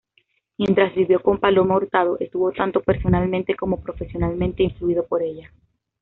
Mientras vivió con Paloma Hurtado, estuvo tanto personalmente como profesionalmente influido por ella.